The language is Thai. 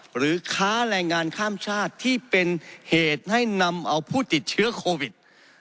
หรือค้าแรงงานข้ามชาติที่เป็นเหตุให้นำเอาผู้ติดเชื้อโควิด